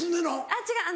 あっ違う